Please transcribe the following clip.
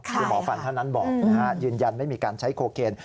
คือหมอฟันเท่านั้นบอกนะฮะยืนยันไม่มีการใช้โคเคน